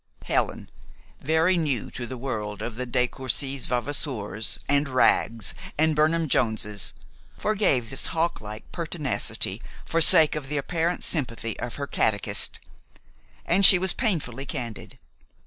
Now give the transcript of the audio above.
Helen, very new to a world of de Courcy Vavasours, and Wraggs, and Burnham Joneses, forgave this hawklike pertinacity for sake of the apparent sympathy of her catechist. And she was painfully candid.